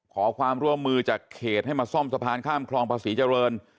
ขอความร่วมมือจากเขตให้มาซ่อมสะพานข้ามคลองภาษีเจริญ